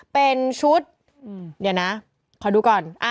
เป็นชุดเดี๋ยวนะขอดูก่อน